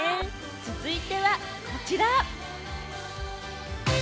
続いてはこちら！